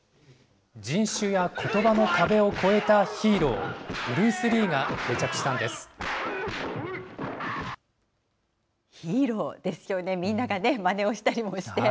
人種やことばの壁を越えたヒーロー、ブルース・リーが定着したんヒーローですよね、みんながまねをしたりもして。